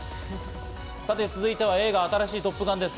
続いては映画、新しい『トップガン』です。